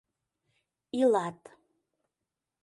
Илат.